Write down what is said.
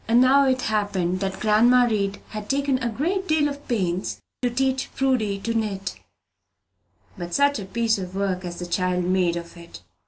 Now it happened that grandma Read had taken a great deal of pains to teach Prudy to knit; but such a piece of work as the child made of it!